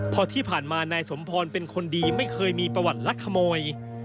เพราะที่ผ่านมานายสมพรเป็นคนดีไม่เคยมีประวัติลักขโมย